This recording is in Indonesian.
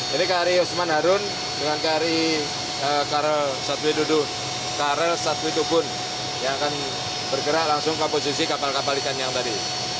ini kri usman harun dengan kri karo sapi dudu krl satwi tubun yang akan bergerak langsung ke posisi kapal kapal ikan yang tadi